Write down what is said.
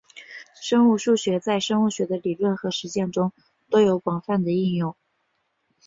生物数学在生物学的理论和实践中都有广泛的应用。